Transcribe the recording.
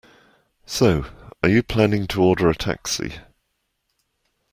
So, are you planning to order a taxi?